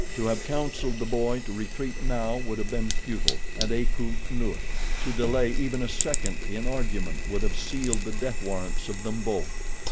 To have counseled the boy to retreat now would have been futile, and Akut knew it. To delay even a second in argument would have sealed the death warrants of them both.